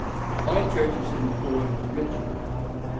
All churches employ ritual.